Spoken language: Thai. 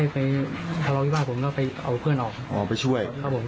ไปตั้งใจจะไปหาพอไปเจอพอดี